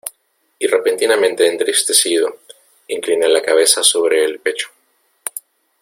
y repentinamente entristecido, incliné la cabeza sobre el pecho.